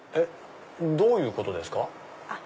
どういうことですか？